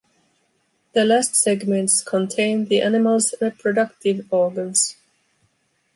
The last segments contained the animal’s reproductive organs.